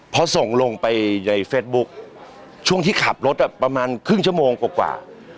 พอส่งลงไปในเฟซบุ๊คช่วงที่ขับรถประมาณครึ่งชั่วโมงกว่า